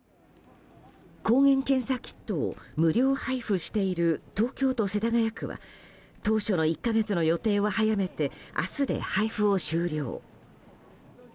抗原検査キットを無料配布している東京都世田谷区は当初の１か月の予定を早めて明日で配布を終了。